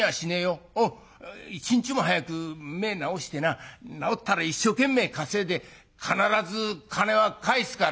一日も早く目ぇ治してな治ったら一生懸命稼いで必ず金は返すから」。